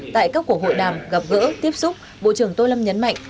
tại các cuộc hội đàm gặp gỡ tiếp xúc bộ trưởng tô lâm nhấn mạnh